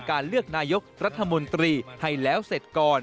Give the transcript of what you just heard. เลือกนายกรัฐมนตรีให้แล้วเสร็จก่อน